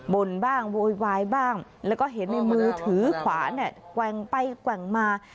่นบ้างโวยวายบ้างแล้วก็เห็นในมือถือขวานเนี่ยแกว่งไปแกว่งมา